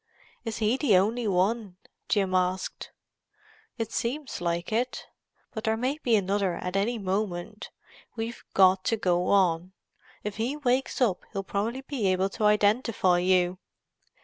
"Is he the only one?" Jim asked. "It seems like it. But there may be another at any moment. We've got to go on; if he wakes up he'll probably be able to identify you."